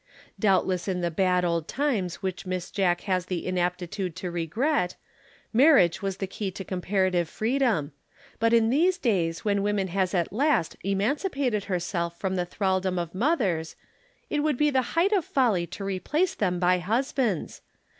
Doubtless in the bad old times which Miss Jack has the inaptitude to regret, marriage was the key to comparative freedom, but in these days when woman has at last emancipated herself from the thraldom of mothers, it would be the height of folly to replace them by husbands.